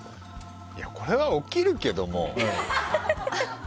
これは起きるけども。